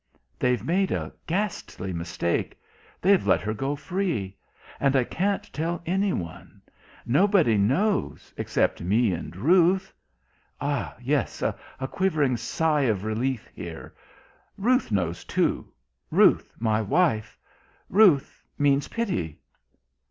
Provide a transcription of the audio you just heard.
They've made a ghastly mistake they've let her go free and I can't tell anyone ... nobody knows, except me and Ruth Ah, yes a quivering sigh of relief here Ruth knows, too Ruth, my wife ruth means pity....